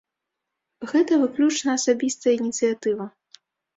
Гэта выключна асабістая ініцыятыва.